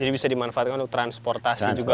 jadi bisa dimanfaatkan untuk transportasi juga romo ya